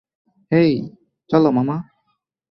হেই, চল মামা!